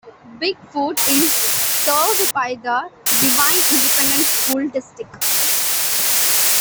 Bigfoot is served by the Devine Independent School District.